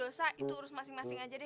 dosa itu urus masing masing aja deh